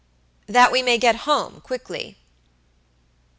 "That we may get home quickly."